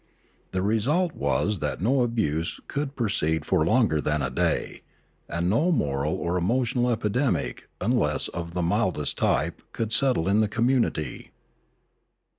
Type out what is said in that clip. The result was that no abuse could proceed for longer than a day, and no moral or emotional epidemic unless of the mildest type could settle in the community.